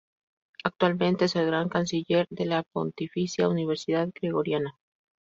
Actualmente es el Gran Canciller de la Pontificia Universidad Gregoriana.